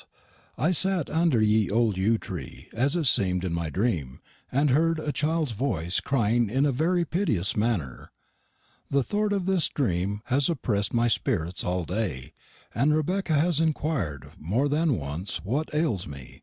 I satte under the olde yewe tree, as it semed in my dreme, and hurd a childes voice crying in a very piteous mannerr. The thort of this dreme has oppress'd my speritts all day, and Rebecka has enquier'd more than wunce wot ales me.